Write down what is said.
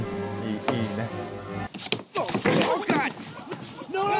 いいね。